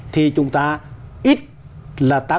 thì chúng ta ít là